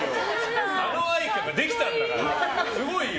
あの愛花ができたんだからすごいよ！